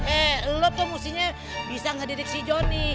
eh lo tuh mestinya bisa ngedidik si johnny